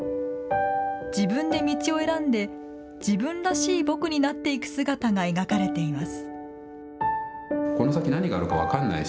自分で道を選んで自分らしい僕になっていく姿が描かれています。